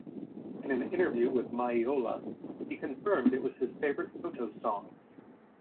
In an interview with Maiola, he confirmed it was his favourite Koto song.